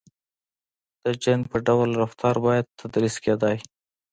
• د جن په ډول رفتار باید تدریس کېدای.